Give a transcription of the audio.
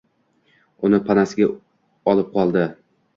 Uni panasiga olib qoldi